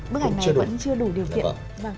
bức ảnh này vẫn chưa đủ điều kiện